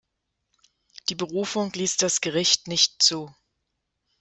Die Berufung ließ das Gericht nicht zu.